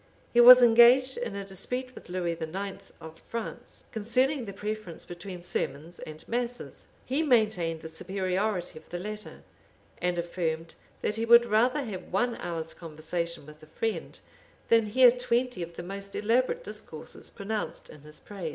He was engaged in a dispute with Lewis IX. of France, concerning the preference between sermons and masses: he maintained the superiority of the latter, and affirmed, that he would rather have one hour's conversation with a friend, than hear twenty of the most elaborate discourses pronounced in his praise.